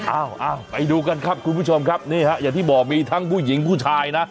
อ้าวไปดูกันครับคุณผู้ชมครับนี่ฮะอย่างที่บอกมีทั้งผู้หญิงผู้ชายนะ